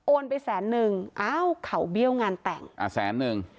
ไปแสนนึงอ้าวเขาเบี้ยวงานแต่งอ่าแสนนึง